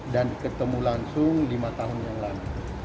dan ketemu langsung lima tahun yang lalu